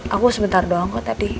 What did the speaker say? aku sebentar doang kok tapi